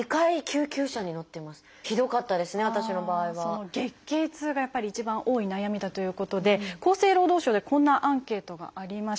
その月経痛がやっぱり一番多い悩みだということで厚生労働省でこんなアンケートがありました。